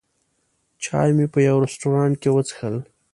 چای مې په یوه رستورانت کې وڅښل.